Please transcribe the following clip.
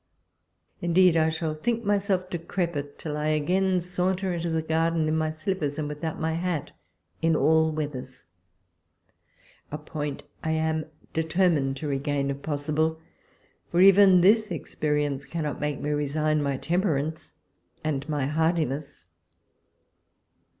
Indeed I shall think myself decrepit, till I again saunter into the garden in my slippers and with out my hat in all weathers — a point I am deter mined to regain if possible : for even this ex perience cannot make me resign my temperance and my hardiness.